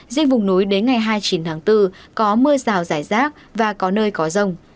riêng vùng núi đến ngày hai mươi chín tháng bốn có mưa rào rải rác và có nơi có rông